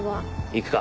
行くか。